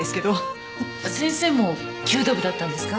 先生も弓道部だったんですか？